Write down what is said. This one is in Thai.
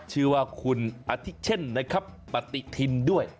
ชื่อว่าคุณพิเช่นปะติทินด้วย